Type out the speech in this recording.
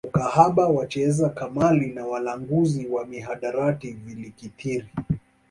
Ukahaba wacheza kamali na walanguzi wa mihadarati vilikithiri